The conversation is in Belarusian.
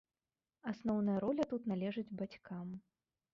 Асноўная роля тут належыць бацькам.